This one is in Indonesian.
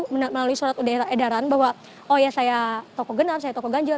melalui surat udara edaran bahwa oh ya saya toko genar saya toko ganjil